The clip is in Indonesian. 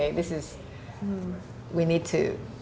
ini adalah kita perlu